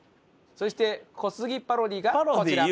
そして小杉パロディがこちら。